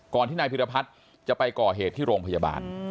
ที่นายพิรพัฒน์จะไปก่อเหตุที่โรงพยาบาล